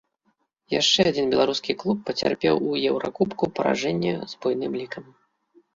Яшчэ адзін беларускі клуб пацярпеў у еўракубку паражэнне з буйным лікам.